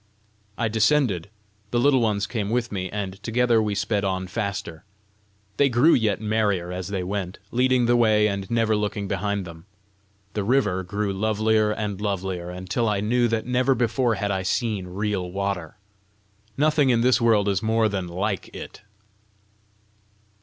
I descended, the Little Ones came with me, and together we sped on faster. They grew yet merrier as they went, leading the way, and never looking behind them. The river grew lovelier and lovelier, until I knew that never before had I seen real water. Nothing in this world is more than LIKE it.